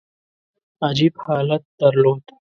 عجیب حالت درلود.